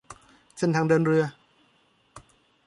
เส้นทางเดินเรือ